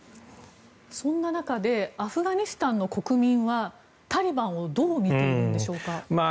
そんな中でアフガニスタンの国民はタリバンをどう見ているんでしょうか。